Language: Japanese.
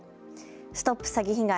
ＳＴＯＰ詐欺被害！